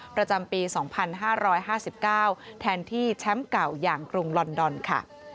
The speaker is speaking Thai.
ประจำปี๒๕๕๙แทนที่แชมป์เก่าอย่างกรุงลอนดอนค่ะ